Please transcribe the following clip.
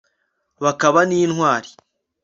bakaba n'intwari